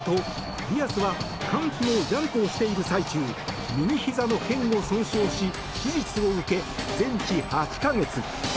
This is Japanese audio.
所属先のメッツによるとディアスは歓喜のジャンプをしている最中右ひざの腱を損傷し手術を受け、全治８か月。